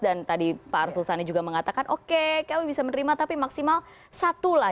dan tadi pak arsulsani juga mengatakan oke kamu bisa menerima tapi maksimal satu lah